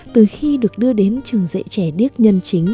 từ khi được đưa đến trường dạy trẻ điếc nhân chính